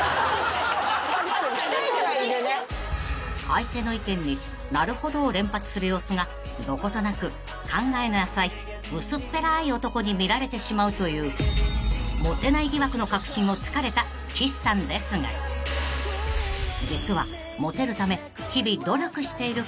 ［相手の意見に「なるほど」を連発する様子がどことなく考えの浅い薄っぺらい男に見られてしまうというモテない疑惑の核心を突かれた岸さんですが実はモテるため日々努力していることもあるそうで］